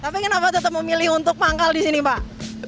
tapi kenapa tetap memilih untuk manggal di sini pak